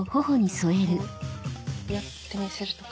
こうやってみせるとか。